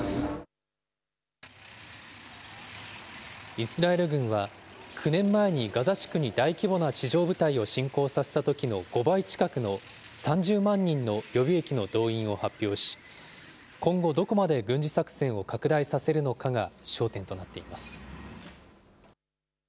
イスラエル軍は、９年前にガザ地区に大規模な地上部隊を侵攻させたときの５倍近くの、３０万人の予備役の動員を発表し、今後どこまで軍事作戦を拡大させるのかが焦点となっています。